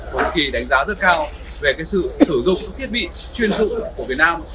và có một kỳ đánh giá rất cao về sự sử dụng thiết bị chuyên dự của việt nam